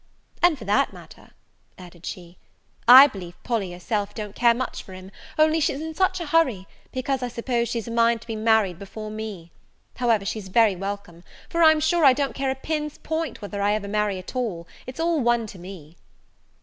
"And, for that matter," added she, "I believe Polly herself don't care much for him, only she's in such a hurry, because, I suppose, she's a mind to be married before me; however, she's very welcome; for, I'm sure, I don't care a pin's point whether I ever marry at all; it's all one to me."